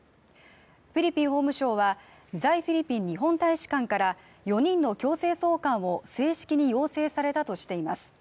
フィリピン法務省は、在フィリピン日本大使館から４人の強制送還を正式に要請されたとしています。